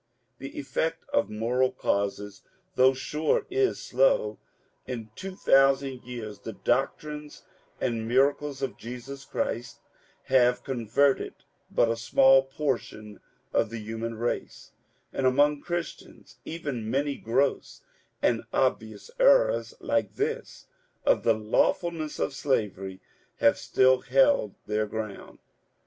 The effect of moral causes though sure is slow. In 2000 years the doctrines and the miracles of Jesus Christ have converted but a small portion of the human race, and among Christians even many gross and obvious errors, like this of the lawfulness of slavery, have still held their ground.